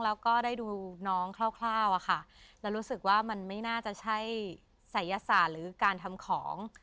แล้วก็ได้ดูน้องคร่าวอะค่ะแล้วรู้สึกว่ามันไม่น่าจะใช่ศัยศาสตร์หรือการทำของ